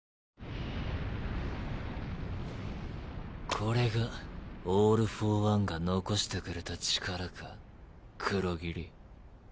これがオール・フォー・ワンが遺してくれた力か黒霧。